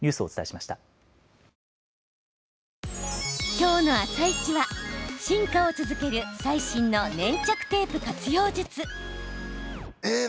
今日の「あさイチ」は進化を続ける最新の粘着テープ活用術。